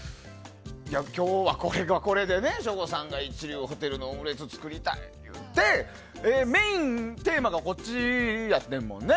今日はこれかこれで省吾さんが一流ホテルのオムレツ作りたいってメインテーマがこっちやねんもんね。